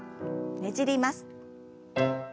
ねじります。